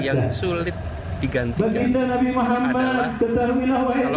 yang sulit digantikan adalah